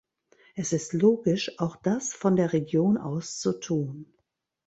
Es ist logisch, auch das von der Region aus zu tun.